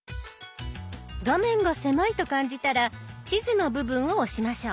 画面が狭いと感じたら地図の部分を押しましょう。